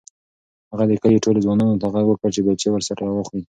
هغه د کلي ټولو ځوانانو ته غږ وکړ چې بیلچې ورسره راواخلي.